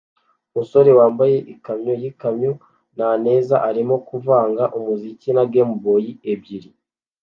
Umusore wambaye ikamyo yikamyo nanezaarimo kuvanga umuziki na Game Boys ebyiri